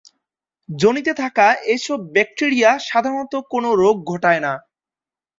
যোনিতে থাকা এসব ব্যাকটেরিয়া সাধারণত কোন রোগ ঘটায় না।